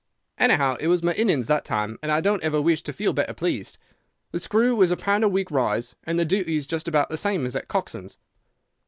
Anyhow it was my innings that time, and I don't ever wish to feel better pleased. The screw was a pound a week rise, and the duties just about the same as at Coxon's.